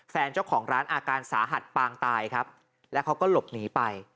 แฟนเจ้าของร้านอาการสาหัสปางตายครับแล้วเขาก็หลบหนีไป